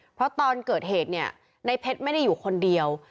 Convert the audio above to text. เพราะตอนเกิดเหตุเนี่ยในเพชรไม่ได้อยู่คนเดียว